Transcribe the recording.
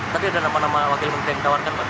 tadi ada nama nama wakil menteri yang ditawarkan pak